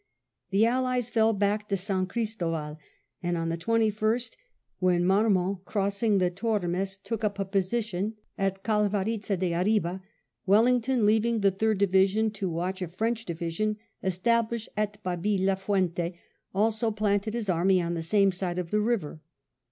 The Allies fell back to San Christoval, and on the 21st, when Marmont, crossing the Tormes, took up a position at VIII BATTLE OF SALAMANCA 167 Calvarizza de Ariba, Wellington, leaving the Third Division to watch a French division established at Babila Fuente, also planted his army on the same side of the river.